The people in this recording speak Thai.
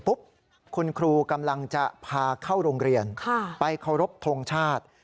คุณครูกำลังจะพาเข้าโรงเรียนไปเคารพทงชาติ